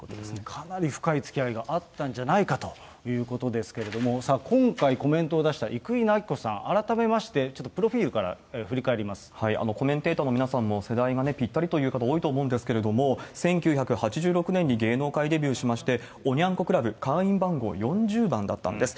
かなり深いつきあいがあったんじゃないかということですけれども、今回、コメントを出した生稲晃子さん、改めまして、ちょっコメンテーターの皆さんも、世代がぴったりという方、多いと思うんですけれども、１９８６年に芸能界デビューしまして、おニャン子クラブ会員番号４０番だったんです。